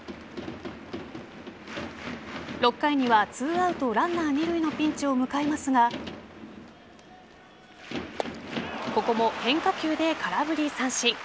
６回には２アウトランナー二塁のピンチを迎えますがここも変化球で空振り三振。